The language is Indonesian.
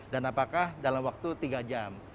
dan apakah dalam waktu tiga jam